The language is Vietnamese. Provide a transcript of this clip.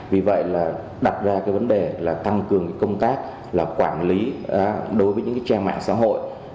vì vậy là đặt ra cái vấn đề là tăng cường công tác là quản lý đối với những cái trang mạng xã hội